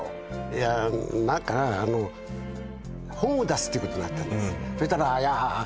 いや何かあのっていうことになったんです